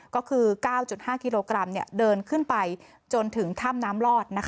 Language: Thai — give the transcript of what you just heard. ก็คือ๙๕กิโลกรัมเดินขึ้นไปจนถึงถ้ำน้ำลอด